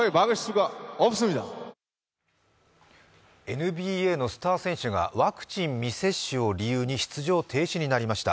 ＮＢＡのスター選手がワクチン未接種を理由に出場停止になりました。